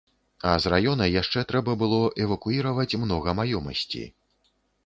А з раёна яшчэ трэба было эвакуіраваць многа маёмасці.